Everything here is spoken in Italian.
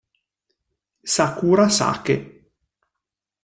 Sakura Sake